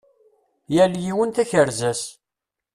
Yal yiwen takerza-s.